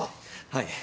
はい。